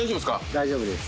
・大丈夫です。